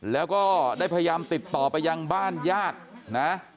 แล้วก็ได้พยายามติดต่อไปยังบ้านญาตินะ